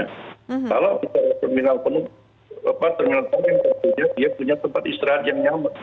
kalau terminal penumpang terminal penumpang yang terduduknya dia punya tempat istirahat yang nyaman